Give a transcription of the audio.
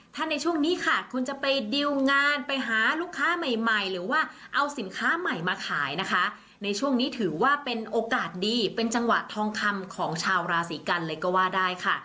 ถ้าในช่วงนี้ค่ะคุณจะไปดิวงานไปหาลูกค้าใหม่ใหม่หรือว่าเอาสินค้าใหม่มาขายนะคะในช่วงนี้ถือว่าเป็นโอกาสดีเป็นจังหวะทองคำของชาวราศีกันเลยก็ว่าได้ค่ะ